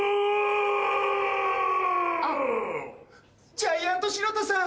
ジャイアント白田さん